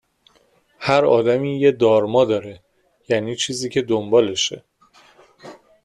هر آدمی یه دارما داره، یعنی چیزی که دنبالشه